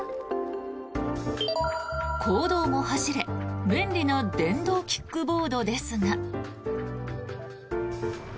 公道も走れ、便利な電動キックボードですが。